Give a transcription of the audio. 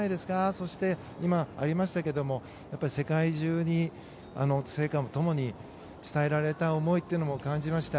そして、今、ありましたけども世界中に聖火とともに伝えられた思いというのも感じました。